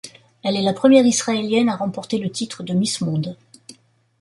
Elle est la première isralienne à remporter le titre de Miss Monde.